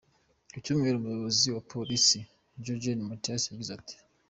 Ku Cyumweru, umuyobozi wa polisi, Juergen Mathies, yagize ati:.